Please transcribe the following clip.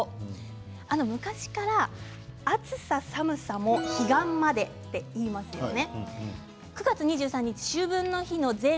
昔から「暑さ寒さも彼岸まで」といいますよね。